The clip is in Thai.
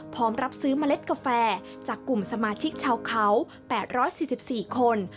พร้อมรับซื้อเมล็ดกาแฟจากกลุ่มสมาชิกชาวเขา๘๔๔คน